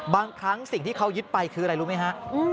บางครั้งสิ่งที่เขายึดไปคืออะไรรู้ไหมฮะ